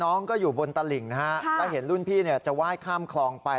น้องก็อยู่บนตลิ่งนะฮะแล้วเห็นรุ่นพี่จะไหว้ข้ามคลองไป